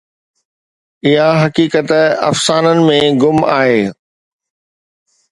اها حقيقت افسانن ۾ گم آهي.